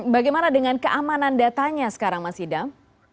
bagaimana dengan keamanan datanya sekarang mas idam